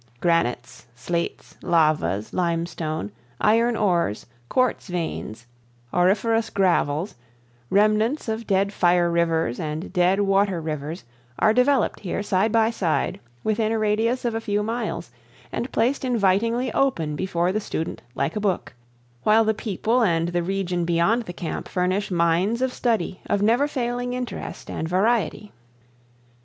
Granites, slates, lavas, limestone, iron ores, quartz veins, auriferous gravels, remnants of dead fire rivers and dead water rivers are developed here side by side within a radius of a few miles, and placed invitingly open before the student like a book, while the people and the region beyond the camp furnish mines of study of never failing interest and variety.